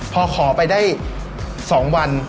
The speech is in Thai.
พอขอไปได้๒วัน